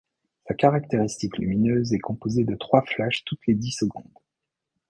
Sa caractéristique lumineuse est composée de trois flashs toutes les dix secondes.